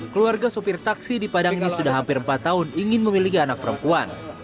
keluarga sopir taksi di padang ini sudah hampir empat tahun ingin memiliki anak perempuan